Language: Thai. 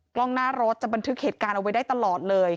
กล้องหน้ารถจะบันทึกเหตุการณ์เอาไว้ได้ตลอดเลย